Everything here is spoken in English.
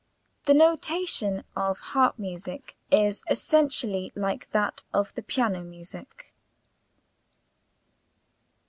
The notation of harp music is essentially like that of piano music.